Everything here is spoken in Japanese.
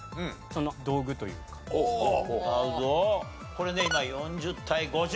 これね今４０対５０。